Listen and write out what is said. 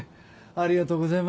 ありがとうございます。